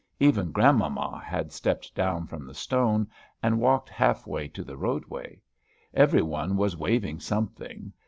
Even grandmamma had stepped down from the stone, and walked half way to the roadway. Every one was waving something.